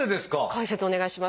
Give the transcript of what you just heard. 解説お願いします。